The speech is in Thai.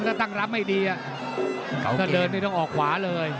ถ้าตั้งรับไม่ดีถ้าเดินไม่ต้องออกขวาเลย